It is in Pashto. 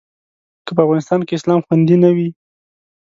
که په افغانستان کې اسلام خوندي نه وي.